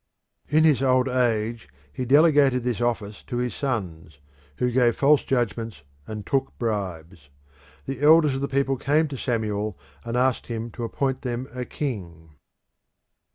In his old age he delegated this office to his sons, who gave false judgments and took bribes. The elders of the people came to Samuel and asked him to appoint them a king.